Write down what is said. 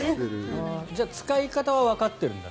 じゃあ使い方はわかってるんだ。